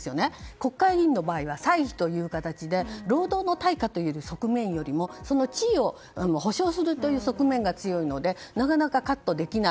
国会議員の場合は歳費という形で労働の対価という側面よりもその地位を保証するという側面が強いのでなかなかカットできない。